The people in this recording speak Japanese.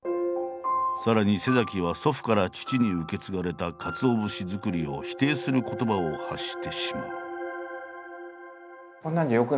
さらには祖父から父に受け継がれた鰹節作りを否定する言葉を発してしまう。